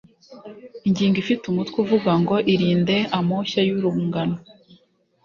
ingingo ifite umutwe uvuga ngo irinde amoshya y urungano